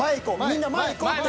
みんな前いこうって。